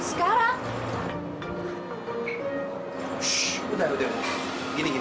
ini kata saya kenalin